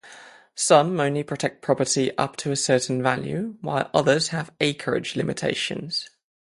Some only protect property up to a certain value, while others have acreage limitations.